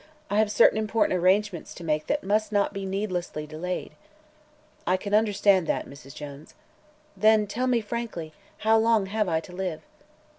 "I have certain important arrangements to make that must not be needlessly delayed." "I can understand that, Mrs. Jones." "Then tell me frankly, how long have I to live?"